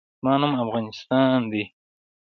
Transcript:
زما نوم افغانستان دی